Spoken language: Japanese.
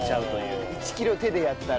１キロ手でやったら？